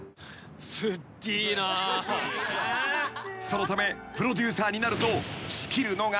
［そのためプロデューサーになると］